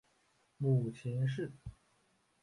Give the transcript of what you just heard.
母秦氏。